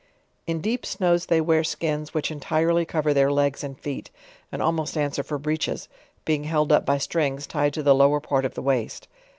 In deep snows they wear skins, which entirely cover their legs and feet, and almost answer for breeches: being held up by strings tied to the lower part of the waist.